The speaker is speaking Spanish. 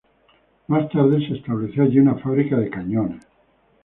Más tarde, se estableció allí una fábrica de cañones.